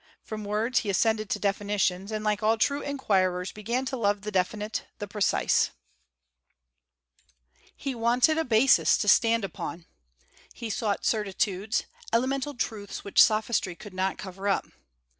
From words he ascended to definitions, and like all true inquirers began to love the definite, the precise. He wanted a basis to stand upon. He sought certitudes, elemental truths which sophistry could not cover up.